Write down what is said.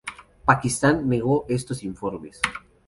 Pakistán negó estos informes.